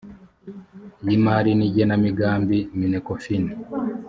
y’imari n’igenamigambi minecofin